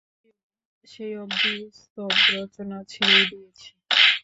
সেই অবধি স্তবরচনা ছেড়েই দিয়েছি।